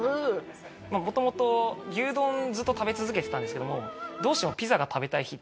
元々牛丼をずっと食べ続けてたんですけどもどうしてもピザが食べたい